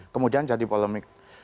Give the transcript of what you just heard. kemudian jadi polemik